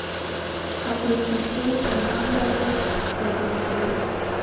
hakurikijwe ubuhanga bwe bagendeyeho